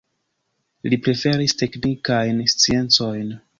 Li preferis teknikajn sciencojn.